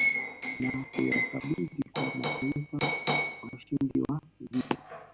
Na kuyakabidhi kwa mataifa washindi wa vita